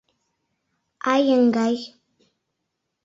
— Ай, еҥгай!